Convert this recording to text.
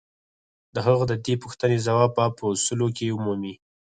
د هغه د دې پوښتنې ځواب به په اصولو کې ومومئ.